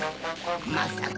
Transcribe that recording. まさか。